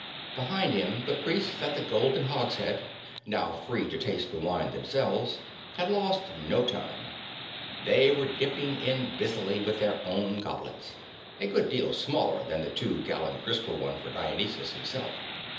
Behind him, the Priests at the golden hogshead, now set free to taste the wine themselves, had lost no time. They were dipping in busily with their own goblets a good deal smaller than the two gallon crystal one for Dionysus himself.